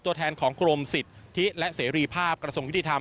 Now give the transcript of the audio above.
ตัวแทนของกรมศิษฐ์ทิศและเสธีภาพกระทรงยุดิธรรม